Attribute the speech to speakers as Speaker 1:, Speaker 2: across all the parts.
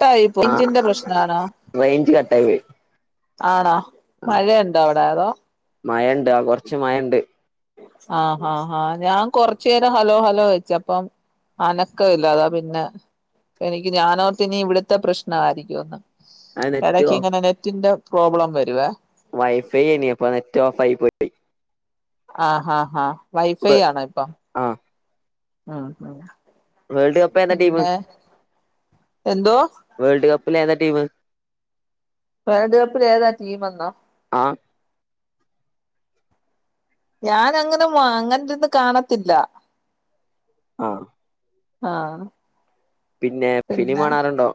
Speaker 1: കട്ടായി പോയി
Speaker 2: ആഹ്
Speaker 1: റേയ്ഞ്ചിന്റെ പ്രെശ്നാണോ
Speaker 2: റേഞ്ച് കട്ടായി പോയി
Speaker 1: ആണോ മഴ ഉണ്ടോ അവടെ അതോ
Speaker 2: മയ ഉണ്ട് കുറച്ച് മയ ഉണ്ട്
Speaker 1: ആഹ് ആഹ് ആഹ് ഞാൻ കൊറച്ച് നേരം ഹലോ ഹലോ വെച്ച് അപ്പം അനക്കവില്ല അതാ പിന്നെ എനിക്ക് ഞാനോർത്തിനി ഇവിടുത്തെ പ്രശ്നം ആയിരിക്കൂന്ന്
Speaker 2: അത് നെറ്റ്
Speaker 1: ഇടക്കിങ്ങനെ നെറ്റിന്റെ പ്രോബ്ലം വരുവേ
Speaker 2: വൈഫൈ ഏനി അപ്പൊ നെറ്റ് ഓഫ് ആയി പോയി
Speaker 1: ആഹ് ഹ ഹ വൈഫൈ ആണോ ഇപ്പം
Speaker 2: ആഹ്
Speaker 1: മ് മ്
Speaker 2: വേൾഡ് കപ്പ്‌ ഏതാ ടീംമ്
Speaker 1: എന്തോ
Speaker 2: വേൾഡ് കപ്പില് ഏതാ ടീമ്
Speaker 1: വേൾഡ് കപ്പില് ഏതാ ടീമെന്നോ
Speaker 2: ആഹ്
Speaker 1: ഞാനങ്ങനെ അങ്ങനിരുന്ന് കാണത്തില്ല
Speaker 2: ആ
Speaker 1: ആ
Speaker 2: പിന്നെ ഫിലിം കാണാറുണ്ടോ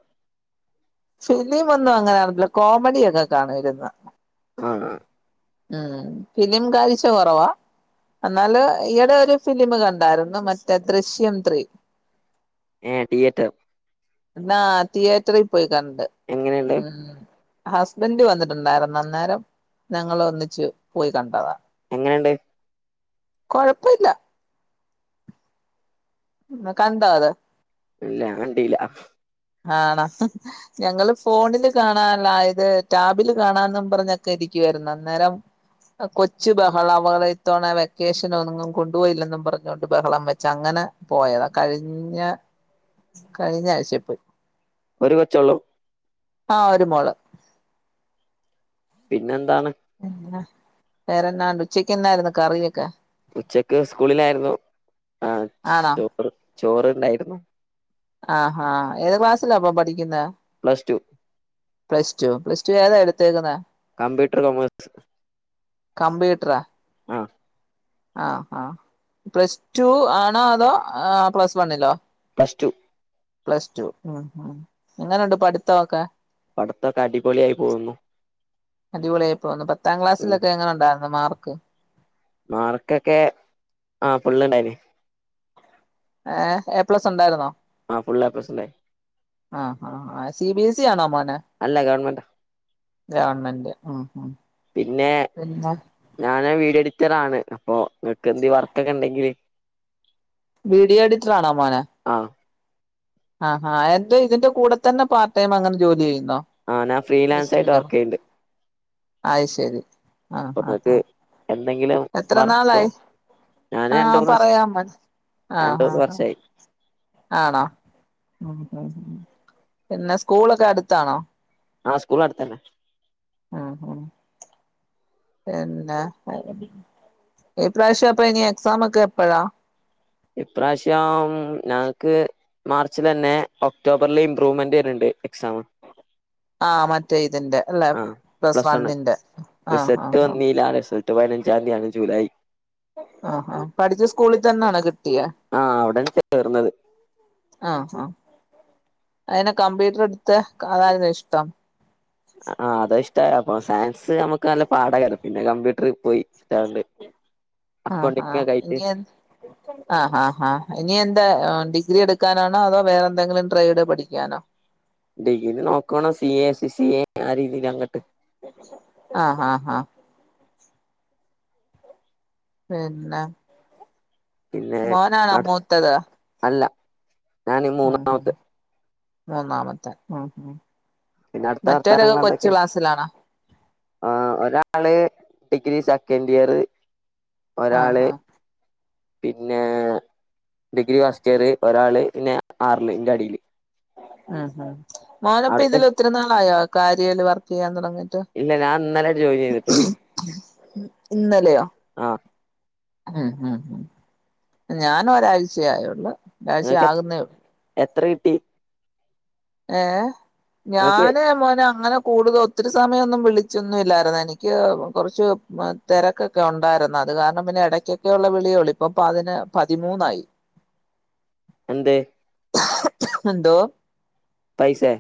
Speaker 1: ഫിലിം ഒന്നും അങ്ങനെ കാണത്തില്ല കോമഡി ഒക്കെ കാണും ഇരുന്ന്
Speaker 2: ആണോ
Speaker 1: മ്ഹ് ഫിലിം കാഴ്ച്ച കുറവാ എന്നാല് ഈയെടെ ഒരു ഫിലിമ് കണ്ടാരുന്നു മറ്റേ ദൃശ്യം ത്രീ
Speaker 2: മ് തിയേറ്റർ
Speaker 1: എന്നാ തീയേറ്ററി കണ്ട്
Speaker 2: എങ്ങനെണ്ട്
Speaker 1: ഹസ്ബന്റ് വന്നിട്ടുണ്ടാരുന്നു അന്നേരം ഞങ്ങള് ഒന്നിച്ചു പോയി കണ്ടതാ
Speaker 2: എങ്ങനണ്ട്
Speaker 1: കൊഴപ്പല്ല [unintelligible] കണ്ടോ അത്
Speaker 2: ഇല്ല ഞാകണ്ടീല
Speaker 1: ആണോ ഞങ്ങള് ഫോണില് കാണാ ആയത് ട്ടാബില് കാണാനും പറഞ്ഞൊക്കെ ഇരിക്കുവായിരുന്നു അന്നേരം കൊച്ച് ബഹളാ ഓളെ ഇത്തവണ വെക്കേഷനെങ്ങും കൊണ്ടുപോയില്ലെന്നും പറഞ്ഞോണ്ട് ബഹളം വെച്ചങ്ങനെ പോയതാ കഴിഞ്ഞ കഴിഞ്ഞ ആയ്ച്ചേപ്പോയ്
Speaker 2: ഒര് കൊച്ചോള്ളു
Speaker 1: ആഒര് മോള്
Speaker 2: പിന്നെൻ
Speaker 1: എന്താ വേറെന്നാണ്ട് ഉച്ചയ്ക്കെന്നാണ്ട് കറിയൊക്കെ
Speaker 2: ഉച്ചക്ക് സ്കൂളിലായിര്ന്നു. ആ
Speaker 1: ആണോ
Speaker 2: ചോറ് ചോറ് ണ്ടായിര്ന്നു
Speaker 1: ആആ ഏത് ക്ലാസ്സിലാപ്പ പഠിക്കുന്നേ
Speaker 2: plus two
Speaker 1: plus two plus two ഏതാ എട്തേക്ക്ന്നേ
Speaker 2: കമ്പ്യൂട്ടർ കോമേഴ്‌സ്
Speaker 1: ആ ആപ്ലസ് റ്റു ആണോ അതോ പ്ലസ് വണ്ണിലോ?
Speaker 2: പ്ലസ് റ്റു
Speaker 1: പ്ലസ് റ്റു മ് മ് എങ്ങനെണ്ട് പട്തൊക്കെ?
Speaker 2: പഠിത്തൊക്കെ അടിപൊളിയായി പോകുന്നു
Speaker 1: അടിപൊളി ആയി പോകുന്നു പത്താം
Speaker 2: ഉം
Speaker 1: ക്ലാസ്സിലെങ്ങനെണ്ടായിരുന്നു മാർ ക്ക്
Speaker 2: മാർക്കൊക്കെ ആ ഫുള്ള് ണ്ടായിന്നു
Speaker 1: ഏ എ പ്ലസ് ഉണ്ടായിരുന്നോ?
Speaker 2: ആഹ് ഫുള്ള് എ പ്ലസ് ഉണ്ടായി
Speaker 1: ആ ആ സി ബി എസ സി ആണോ മോൻ
Speaker 2: അല്ല ഗവണ്മെന്റാ
Speaker 1: ഗവണ്മെന്റ് മ് മ്
Speaker 2: പിന്നെ ഞാൻ വീഡിയോ എഡിറ്റർ ആണ് അപ്പൊ ഇങ്ങക്കെന്തീ വർക്കൊക്കെണ്ടെങ്കില്
Speaker 1: വീഡിയോ എഡിറ്ററാണോ മോന്
Speaker 2: ആഹ്
Speaker 1: ആഹ് ആഹ് എന്ത് ഇതിന്റെ കൂടെ തന്നെ പാർടൈം അങ്ങനെ ജോലി ചെയ്
Speaker 2: ആഹ് ഞാൻ ഫ്രീലാൻസായ്റ്റ് വർക്കെയ്ണ്ട്
Speaker 1: അയ് ശെരി ആഹ് ആഹ്
Speaker 2: നിങ്ങക്ക്
Speaker 1: ആഹ്
Speaker 2: എന്തെങ്കിലും
Speaker 1: എത്ര
Speaker 2: വർക്കോ
Speaker 1: നാളായി
Speaker 2: ഞാന് രണ്ട്
Speaker 1: ആഹ്
Speaker 2: മൂന്ന് വർഷം
Speaker 1: പറയാം [unintelligible]
Speaker 2: രണ്ട്
Speaker 1: ആഹ്
Speaker 2: മൂന്ന്
Speaker 1: ആഹ് ആഹ്
Speaker 2: വർഷായി
Speaker 1: ആണോ മ് മ് മ് പിന്നെ സ്കൂളൊക്കെ അട്ത്താണോ?
Speaker 2: ആഹ് സ്കൂൾ അട്ത്തെന്നെ
Speaker 1: ഉം ഉം പിന്നെ ഈ പ്രാവ്ശ്യം പ്പഇനി എക്സാമൊക്കെ എപ്പഴാ
Speaker 2: ഇപ്രാവ്ശ്യം ഞങ്ങക്ക് മാർച്ച്ലെന്നെ ഒക്ടോബറിൽ ഇമ്പ്രൂവ്മെന്റ് വര്ണ് ണ്ട് എക്സാമ്.
Speaker 1: ആഹ മറ്റേ ഇതിന്റെ അല്ലെ പ്ലസ് വണ്ണിന്റെ ആ ആ ആ
Speaker 2: ഇന്ന് പതിനഞ്ചാം തീയതിയാണ് ജൂലൈ
Speaker 1: ആ ആ പഠിച്ച സ്കൂളിൽ തന്നെയാണോ കിട്ടിയത്
Speaker 2: ആ അവിടെഞ്ഞെ ചേർന്നത്
Speaker 1: അഴിഞ് കമ്പ്യൂട്ടറ് എടുത്ത് അതാ ഇഷ്ടം
Speaker 2: ആ അത് ഇഷ്ടായപ്പ സയൻസ് നമുക്ക് നല്ല പാഠംയ്ക്കാരം പിന്നെ കമ്പ്യൂട്ടറി പോയി ഇഷ്ടാണ്ട്
Speaker 1: ആ ആ
Speaker 2: അക്കൗണ്ടിങ് ഒക്കെ ആയിട്ട്
Speaker 1: ഇനി ആ ആ ആ ഇനി എന്താ ഡിഗ്രി എടുക്കാനാണോ അതോ വേറെ എന്തെങ്കിലും ട്രേഡ് പഠിക്കാനോ
Speaker 2: ഡിഗ്രി നോക്കണം C A C C A ആ രീതിൽ അങ്ങട്ട്
Speaker 1: ആഹ് ആഹ് ആഹ് പിന്നെ
Speaker 2: പിന്നെ
Speaker 1: മോനാണോ മൂത്തത്
Speaker 2: ഞാൻ
Speaker 1: ഉം ഉം
Speaker 2: മൂന്നാമത്തെ
Speaker 1: മൂന്നാമത്തെ മ് മ്
Speaker 2: പിന്നെ അടുത്ത വർത്താനങ്ങൾ എന്തൊക്കെ ആ ഒരാള് ഡിഗ്രി സെക്കൻഡ് ഇയർ
Speaker 1: ആ
Speaker 2: ഒരാള്
Speaker 1: ആ
Speaker 2: പിന്നെ ഡിഗ്രി ഫസ്റ്റ് ഇയർ ഒരാള് പിന്നെ ആറില് ഇന്റെ അടീല്
Speaker 1: ആ ആ മോനപ്പം ഇതില് ഒത്തിരി നാളായോ കാര്യയിൽ വ ചെയ്യാൻ തുടങ്ങി
Speaker 2: ഇല്ല ഞാൻ ഇന്നലെ ജോയിൻ ചെയ്തിട്ടുള്ളൂ
Speaker 1: ഇന്നലെയോ
Speaker 2: ആ
Speaker 1: മ് മ് ഞാന് ഒരാഴ്ചയായുള്ളൂ ഒരാഴ്ച ആകുന്നെയുള്ളൂ
Speaker 2: ട്ടി
Speaker 1: ഹേ
Speaker 2: നിങ്ങൾക്ക്
Speaker 1: ഞാന് മോനങ്ങനെ കൂടുതൊത്തിരി സമയൊന്നും വിളിച്ചൊന്നും ഇല്ലാര്ന്ന് എനിക്ക് കൊറച്ച് തെരക്കൊക്കെ ഉണ്ടായിര്ന്ന് അത് കാരണം പിന്നെ ഇടക്കൊക്കെള്ള വിളിഉള്ളൂ ഇപ്പൊ പതിനൊ പതിമൂന്നായി
Speaker 2: എന്തേ
Speaker 1: എന്തോ
Speaker 2: പൈസെ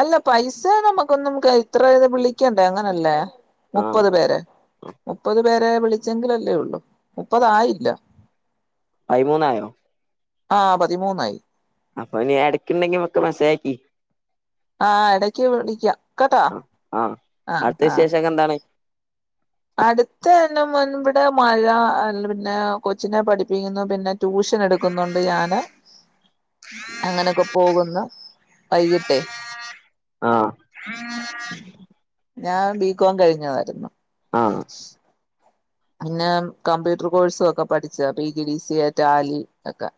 Speaker 1: അല്ല പൈസ നമ്മുക്കൊന്നും കെ ഇത്രയ വിളിക്കണ്ടേ അങ്ങനല്ലേ ! ! ! ! ! ! ! !
Speaker 2: ആഹ് ! ! ! ! ! ! ! ! ! ! പയിമൂന്നായോ! ! ! ! ! ! ! !
Speaker 1: ആ പതിമൂന്നായി
Speaker 2: അപ്പൊ നീ എടക്കുണ്ടെങ്കി ഒക്കെ മെസ്സേജ് അയക്കി
Speaker 1: ആ എടക്ക് വിളിക്കാം കേട്ടാ
Speaker 2: ആ ആ അട്ത്ത വിശേഷോക്കെന്താണ്
Speaker 1: അടുത്തേനമോനും വടെ മഴ അല്ല പിന്നെ കൊച്ചിനെ പഠിപ്പിക്കുന്നു പിന്നെ ട്യൂഷൻ എടുക്കുന്നുണ്ട് ഞാന് അങ്ങനൊക്കെ പോകു ഇന്നു വൈകിട്ടെ
Speaker 2: ആ
Speaker 1: ഞാൻ ബി കോം കഴിഞ്ഞതാരുന്നു
Speaker 2: ആ
Speaker 1: പിന്നെ കമ്പ്യൂട്ടർ കോഴ്സും ഒക്കെ പഠിച്ചതാ P G D C A Tally തൊക്കെ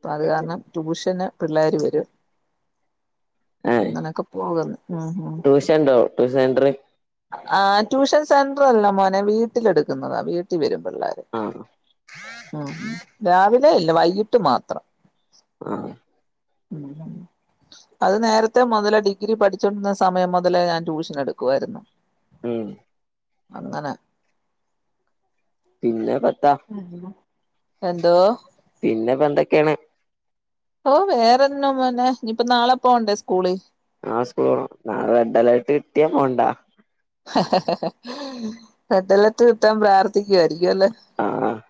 Speaker 1: പ്പൊ അത് കാരണം ട്യൂഷന്- പിള്ളേര് വരും
Speaker 2: ഏ
Speaker 1: അങ്ങനൊക്കെ പോകുന്നു ഉം ഉം
Speaker 2: ട്യൂഷൻ ഉണ്ടോ ട്യൂഷൻ സെന്റർ
Speaker 1: ആ ട്യൂഷൻ സെന്ററല്ല മോനെ വീ- ട്ടിലെടുക്കുന്നതാ വീട്ടി വരും പിള്ളാര്‌
Speaker 2: ആ
Speaker 1: മ്മ് രാവില - ഏയ് ഇല്ല വൈകിട്ട് മാത്രം
Speaker 2: ആ
Speaker 1: ഉം അത് നേരത്തെ മുതൽ ഡിഗ്രി പഠിച്ചോണ്ടിരുന്ന സമയം മുതല് ഞാൻ ട്യൂഷൻ എടുക്കുവായിരുന്നു
Speaker 2: ഉം
Speaker 1: അങ്ങനെ
Speaker 2: പിന്നെ പത്ത -
Speaker 1: എന്തോ
Speaker 2: പിന്നെ പ്പാ എന്തെക്കെയാണ്
Speaker 1: ഓ വേറെ എന്നാ മോനെ ഇനിപ്പൊ നാളെ പോണ്ടേ സ്കൂളി-
Speaker 2: നാളെ സ്കൂളിൽ പോണം നാളെ റെഡ് അലേർട് കിട്ടിയാ പോണ്ടാ-
Speaker 1: റെഡ് അലർട്ട് കിട്ടാൻ പ്രാർത്ഥിക്കുവാര്ന് ക്കും അല്ലേ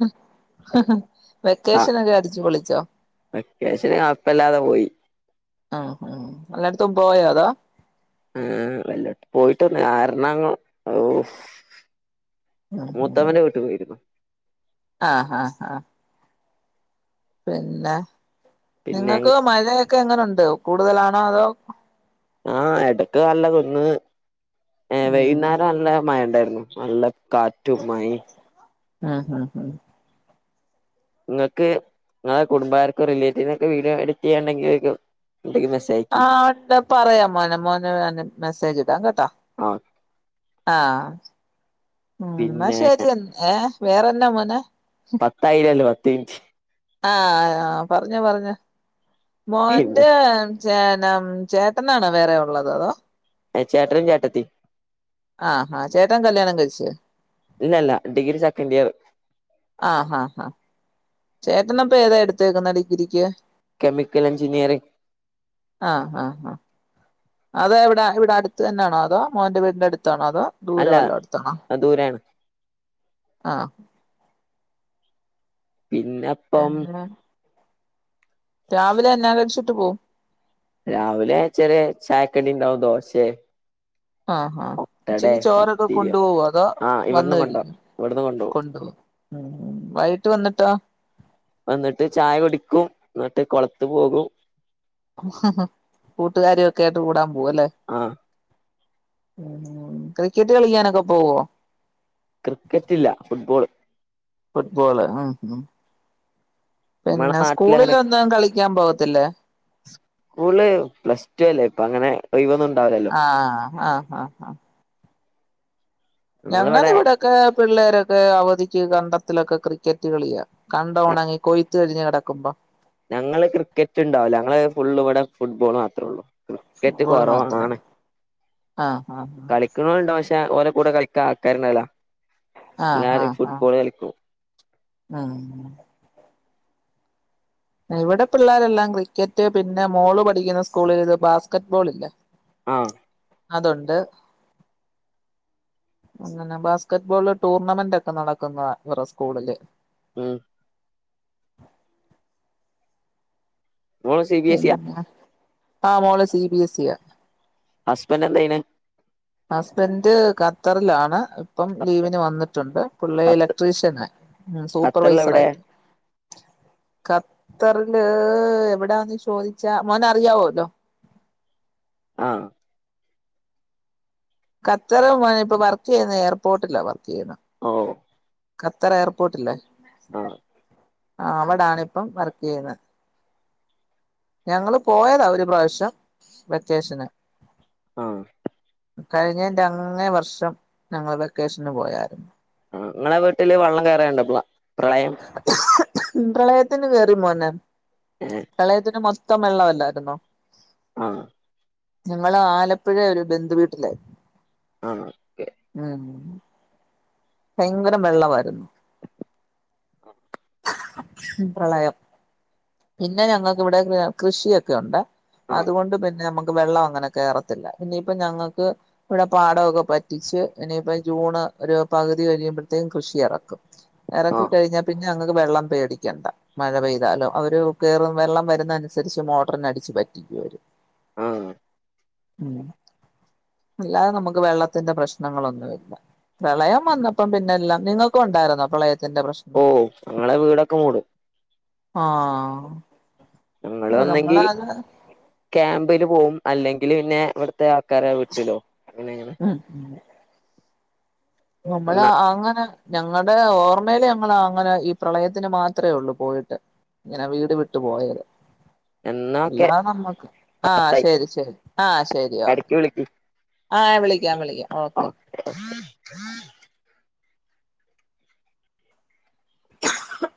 Speaker 1: ഉം ഹ ഹ
Speaker 2: ആഹ് വെക്കേഷന് കൊയപ്പല്ലാതെ പോയി.
Speaker 1: ആഹ്, എല്ലാട്ത്തും പോയോ അതോ
Speaker 2: എല്ലോട്തും പോയിട്ടൊ [unintelligible] ഓഹ്, മൂത്തമ്മന്റെ വീട്ടിക് പോയിരുന്നു.
Speaker 1: ആഹ് ആഹ് ആഹ് പിന്നെ
Speaker 2: പിന്നെ
Speaker 1: നിങ്ങക്ക് മഴേ ക്കെങ്ങനെണ്ട് കൂടുതലാണോ അതോ
Speaker 2: ആഹ്, എടക്ക് നല്ല കുന്ന് ഏഹ്
Speaker 1: ഉം
Speaker 2: വൈകുന്നേരം നല്ല മഴണ്ടായിരുന്നു. നല്ല കാറ്റും മഴിം
Speaker 1: ആഹ് ആഹ് ആഹ്
Speaker 2: ഇങ്ങക്ക് ഇങ്ങളെ കുടുംബകർക്കോ, റിലേറ്റീവിനക്കെ വീഡിയോ എഡിറ്റെയ്യാനിണ്ടെകിൽ
Speaker 1: ആഹ് ണ്ടേ പറയാം മോനെ മോന് ഞാ മെസ്സേജ്ടാം കേട്ടോ
Speaker 2: ആഹ്
Speaker 1: ആഹ് മ് എന്നാ
Speaker 2: പിന്നെ
Speaker 1: ശെരി എന്ന ഏഹ് വേറെന്നാ മോനെ
Speaker 2: പത്തായില്ലല്ലോ. മിന്റ്
Speaker 1: ആഹ്, പറഞ്ഞോ പറഞ്ഞോ
Speaker 2: പിന്നെ
Speaker 1: മോന്റെ ചെനം ചേട്ടനാണോ വേറെ ഉള്ളത് അതോ
Speaker 2: ഏഹ്, ചേട്ടനും ചേട്ടത്തിം.
Speaker 1: ആഹ് ഹാ, ചേട്ടൻ കല്യാണം കഴിച്ച്.
Speaker 2: ഇല്ല ഇല്ല ഡിഗ്രി സെക്കണ്ടിയർ.
Speaker 1: ആഹ്, ഹാ ഹ ചേട്ടനപ്പൊ ഏതാ എടുത്തേക്കുന്നെ ഡിഗ്രിക്ക്
Speaker 2: കെമിക്കൽ എഞ്ചിനീയറിങ്. [inaudible]
Speaker 1: ആഹ് ആഹ് ആഹ് അത് ഇവടെ ഇവടെ അടുത്ത് തന്നെയാണോ. അതോ മോന്റെ വീട് ന്റെ അടു ത്താണോ. അതോ ദൂര
Speaker 2: അല്ല
Speaker 1: വല്ലോട്ത്ത്ന്നാണോ
Speaker 2: ദൂരാണ്
Speaker 1: ആഹ്
Speaker 2: പിന്നെ പ്പം
Speaker 1: പിന്നെ രാവിലെ എന്നാ കഴിച്ചു? [unintelligible]
Speaker 2: രാവിലെ ചെറിയ ചായക്കടിണ്ടാവും ദോശേ
Speaker 1: ആഹ് ആ,
Speaker 2: മുട്ടടെ
Speaker 1: ഉച്ചക്ക് ചോറൊക്കെ
Speaker 2: പത്തിരിയോ
Speaker 1: കൊണ്ടുപോവോ, അതോ
Speaker 2: ആഹ് ഇവിടന്ന്
Speaker 1: വന്ന്
Speaker 2: കൊണ്ടോവും
Speaker 1: കൈ
Speaker 2: ഇവിടന്ന് കൊണ്ടോവും
Speaker 1: കൊണ്ട് പോവും ഹ്മ്മ് വൈകി ട്ട് വന്നിട്ടോ
Speaker 2: വന്നിട്ട് ചായ കുടിക്കു ന്നിട്ട് കൊളത്ത് പോകും
Speaker 1: കൂട്ടുക്കാരിക്കെയായിട്ട് കൂടാൻ പോ പോവല്ലേ
Speaker 2: ആഹ്
Speaker 1: ക്രിക്കറ്റ് കളിക്കാനൊക്കെ പോവോ
Speaker 2: ക്രിക്കറ്റില്ല ഫുട്‌ബോള്
Speaker 1: ഫുഡ്‌ബോള് മ്
Speaker 2: നമ്മളെ
Speaker 1: പിന്നെ
Speaker 2: നാട്ടിൽ അങ്ങനെ
Speaker 1: സ്കൂളില് ഒന്നും കളി ക്കാൻ പോവത്തിലെ
Speaker 2: സ്കൂള് പ്ലസ് ടു അല്ലെ ഇപ്പങ്ങനെ ഒഴിവൊന്നും ഉണ്ടാവില്ലല്ലോ
Speaker 1: ആ ഹ ഹ ഹ
Speaker 2: ഞങ്ങളിവിടെ
Speaker 1: ഞങ്ങൾവ്ടെക്കെ പിള്ളെരെ ക്കെ അവധിക്ക് കണ്ടത്തിലൊക്കെ ക്രിക്കറ്റ്‌ കളിയാ കണ്ട ഒണങ്ങി കൊയുത്ത് കഴിഞ്ഞ് കിടക്കുമ്പ ‌
Speaker 2: ഞങ്ങള് ക്രിക്കറ്റ്‌ ഇണ്ടാവൂല ഞങ്ങള് ഫുള്ള് ഇവ്ടെ ഫുട്ബോളാ [unintelligible] ക്രിക്കറ്റ്‌
Speaker 1: ഫുട്ബോള് മാത്രേ
Speaker 2: കൊറവാണ്
Speaker 1: ഉള്ളൂ ആഹ് ആഹ്
Speaker 2: കളിക്ക്നോല്ണ്ട പഷെ ഓലെ കൂടെ കളി ക്ക ആൾക്കാര്ണ്ടാവില
Speaker 1: ആഹ്
Speaker 2: എല്ലാരും
Speaker 1: ആഹ് ആഹ് ആഹ്
Speaker 2: ഫുട്ബോൾ കളിക്കും
Speaker 1: ഉം ഇവിടെ പിള്ളേരെല്ലാം ക്രിക്കറ്റ്‌ പിന്നെ മോള് പഠിക്ക്ന്ന സ്കൂൾല് ഇത് ബാസ്ക്കറ്റ് ബോള്ല്ലെ
Speaker 2: ആ
Speaker 1: അതൊണ്ട് അങ്ങനെ ബാസ്ക്കറ്റ് ബോള് ടൂർണമെന്റ് ഒക്ക നടക്ക്ന്ന ഇവരെ സ്കൂളില്
Speaker 2: മ് മോള് സി ബി എസ് ഇയാ
Speaker 1: എന്ത ആ മോള് സി ബി എസ്സി യാ
Speaker 2: അസ്ബെന്റ് എന്തെയ്യ്ണ്
Speaker 1: അസ്ബെന്റ് ഖത്തർ ലാണ് ഇപ്പം
Speaker 2: ഖത്ത
Speaker 1: ലീവിന് വന്നിട്ടുണ്ട് പുള്ളി
Speaker 2: ഖത്ത
Speaker 1: ഇലെക്ട്രിഷനാ മ്
Speaker 2: ഖത്തറിൽ എവിടെ
Speaker 1: സൂപ്പർവൈസറായിട്ട് ഖത്തർല് എവിടാന്ന് ചോദിച്ച മോന് അറിയാവൊല്ലൊ
Speaker 2: അ
Speaker 1: ഖത്തർല് മോനെ ഇപ്പ വർക്കെയ്യ്ന്നെ എയർപോർട്ടില വർക്കെയ്യ്ണ്
Speaker 2: ഓ
Speaker 1: ഖത്തറ് എയർപോട്ടില്
Speaker 2: ആഹ്
Speaker 1: [inaudible] അവിടാണ്പ്പ വർക്കെയ്യ്ന്ന ഞങ്ങള് പോയത ഒരു പ്രാവശ്യം വെക്കേഷന്
Speaker 2: അ
Speaker 1: കഴിഞ്ഞെന്റ അങ്ങെ വർഷം ഞങ്ങള് വെക്കേഷന് പോയാര്ന്നു
Speaker 2: ഇങ്ങളെ വീട്ടില് വള്ളം കേറെണ്ട
Speaker 1: പ്രളയത്തിന് കേറി മോനെ-
Speaker 2: ഏഹ്
Speaker 1: പ്രളയത്തിന് മൊത് ത്തം വെള്ള അല്ലാര്ന്നോ?
Speaker 2: ആ-
Speaker 1: ഞങ്ങള് ആലപ്പുഴ ഒരു ബന്ധു വീട്ടിലാ
Speaker 2: ആഹ് ഓക്കെ
Speaker 1: യി മ്- ഭയെങ്കരം വെള്ളവാര്ന്നു- പ്രളയം പിന്നെ ഞങ്ങക്ക് ഇവ്ടെ കൃ കൃഷി യൊക്കെ ഒണ്ടേ- അത്
Speaker 2: ആഹ്
Speaker 1: കൊണ്ട് പിന്നെ നമ്മ വെള്ളം അങ്ങനെ കേറത്തില്ല. ഇനീപ്പ ഞങ്ങക്ക് ഇവടെ പാടൊക്കെ പറ്റിച്ച് ഇനിയിപ്പം ജൂണ് ഒരു പകുതി കഴിയുമ്പഴ്ത്തേക്കും കൃഷി എറക്കും. എറക്കി
Speaker 2: ആഹ്
Speaker 1: കഴിഞ്ഞാ പി ഞങ്ങക്ക് വെള്ളം പേടിക്കണ്ട മഴ പെയ്താലൊ അവരു കേറും വെള്ളം വരുന്നനുസരിച്ച് മോട്രിനടിച്ചു വറ്റിക്കൂ അവര്
Speaker 2: ആഹ്
Speaker 1: ഉം അല്ലാതെ നമ്മക്ക് വെള്ളത്തിന്റെ പ്രശ്നങ്ങളൊന്നു ഇല്ല പ്രളയം വന്നപ്പം പിന്നെല്ലാം നിങ്ങൾക്കൊണ്ടായിരുന്നോ പ്രളയത്തിന്റെ പ്രശ്നം?
Speaker 2: ഓ ഞങ്ങളെ വീടൊക്കെ മൂടും.
Speaker 1: ആഹ്
Speaker 2: ഞങ്ങള് ഒന്നെങ്കി
Speaker 1: നമ്മളത്
Speaker 2: ക്യാമ്പില് പോവും. അല്ലെങ്കില് പിന്നെ ഇവട് ത്തെ ആൾക്കാരെ വീട്ടിലോ അങ്ങനേണ്
Speaker 1: ഉം നമ്മള് അങ്ങന ഞങ്ങടെ ഓർമേല് ഞങ്ങളങ്ങനെ ഈ പ്രളയത്തിന് മാത്രേയുള്ളൂ പോയിട്ട്. ഇങ്ങനെ വീട് വി ട്ട് പോയരാ
Speaker 2: എന്നാ ഓക്കെ
Speaker 1: അല്ലാതെ നമ്മക്ക് ആ
Speaker 2: പത്തായി
Speaker 1: ശരി ശരി ആ ശരി ഓക്കെ.
Speaker 2: എടക്ക് വിളിക്ക്
Speaker 1: ആ യാ വിളി
Speaker 2: ആ [inaudible]